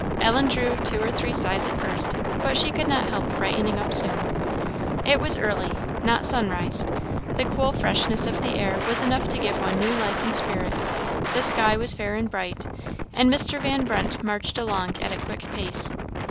Ellen drew two or three sighs at first, but she could not help brightening up soon. It was early not sunrise; the cool freshness of the air was enough to give one new life and spirit; the sky was fair and bright; and Mr. Van Brunt marched along at a quick pace.